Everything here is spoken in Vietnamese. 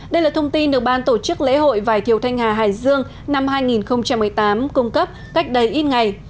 đây là thông tin được ban tổ chức lễ hội vài thiều thanh hà hải dương năm hai nghìn một mươi tám cung cấp cách đây ít ngày